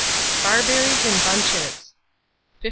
BARBERRIES IN BUNCHES. 1523.